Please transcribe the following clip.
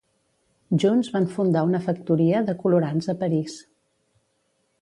Junts van fundar una factoria de colorants a París.